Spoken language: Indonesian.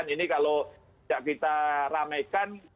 ini kalau kita ramekan